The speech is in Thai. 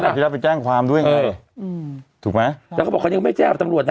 เขาอัจฉริยะไปแจ้งความด้วยเอออืมถูกไหมแล้วก็บอกเขายังไม่แจ้งกับตำลวดนะ